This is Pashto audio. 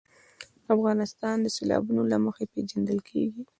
افغانستان د سیلابونه له مخې پېژندل کېږي.